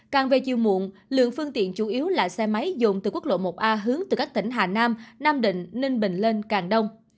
càng về chiều muộn lượng phương tiện chủ yếu là xe máy dồn từ quốc lộ một a hướng từ các tỉnh hà nam nam định ninh bình lên càng đông